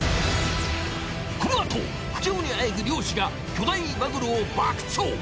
このあと苦境にあえぐ漁師が巨大マグロを爆釣。